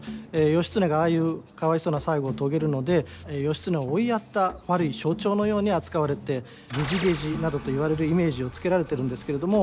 義経がああいうかわいそうな最期を遂げるので義経を追いやった悪い象徴のように扱われて「げじげじ」などと言われるイメージをつけられてるんですけれども。